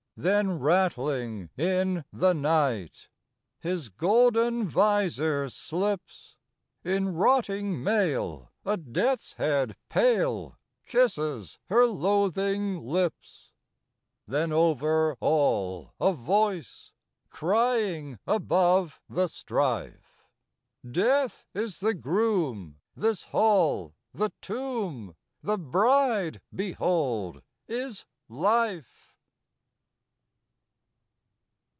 Then rattling in the night His golden visor slips In rotting mail a death's head pale Kisses her loathing lips. Then over all a voice Crying above the strife "Death is the Groom: this Hall, the Tomb: The Bride, behold, is Life!"